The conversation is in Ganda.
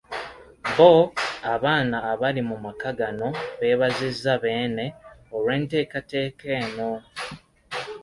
Bo abaana abali mu maka gano beebazizza Beene olw'enteekateeka eno.